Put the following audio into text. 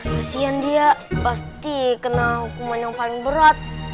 kasian dia pasti kena hukuman yang paling berat